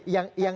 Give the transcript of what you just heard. tiga program ya